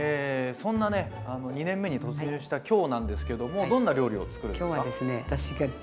そんなね２年目に突入した今日なんですけどもどんな料理を作るんですか？